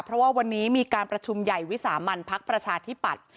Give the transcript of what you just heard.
เพราะว่าวันนี้มีการประชุมใหญ่วิสามันพักประชาธิปัตย์